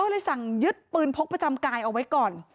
เลยสั่งยึดปืนพกประจำกายเอาไว้ก่อน